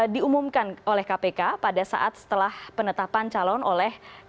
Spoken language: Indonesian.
diumumkan oleh kpk pada saat setelah penetapan calon oleh kpu februari nanti